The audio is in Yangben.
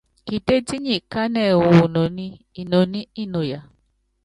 Kitétí nyi kánɛ wu inoní, inoní inuya.